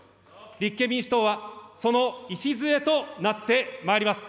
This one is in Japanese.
立憲民主党はその礎となってまいります。